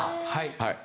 はい。